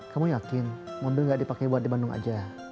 kamu yakin mobil gak dipake buat di bandung aja